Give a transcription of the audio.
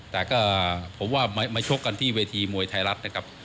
แต่ก็ผมว่ามาชกกันที่เวทีมวยไทยรัฐนะครับ